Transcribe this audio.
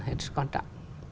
hết quan trọng